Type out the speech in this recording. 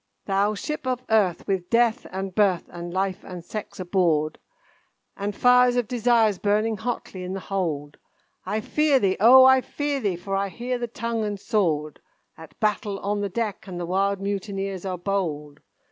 "Thou Ship of Earth, with Death, and Birth, and Life, and Sex aboard, And fires of Desires burning hotly in the hold, I fear thee, O! I fear thee, for I hear the tongue and sword At battle on the deck, and the wild mutineers are bold!